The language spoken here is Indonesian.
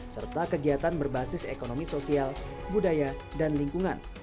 serta kegiatan berbasis ekonomi sosial budaya dan lingkungan